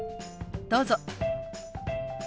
どうぞ。